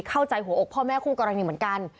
เข้าใจหัวอกพ่อแม่คู่กรณีเหมือนกัน